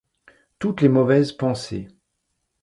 Toutes les mauvaises pensées